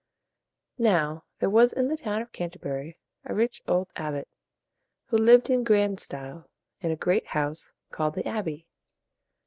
Now, there was in the town of Can´ter bur y a rich old abbot who lived in grand style in a great house called the Abbey.